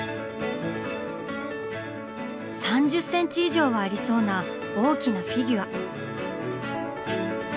３０センチ以上はありそうな大きなフィギュア。